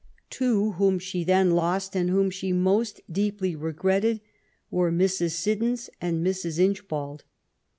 Two whom she then lost^ and whom she most deeply regretted, were Mrs. Siddons and Mrs. Inchbald.